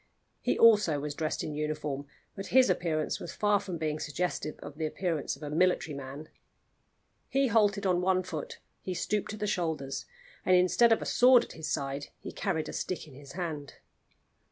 He also was dressed in uniform, but his appearance was far from being suggestive of the appearance of a military man. He halted on one foot, he stooped at the shoulders, and instead of a sword at his side he carried a stick in his hand.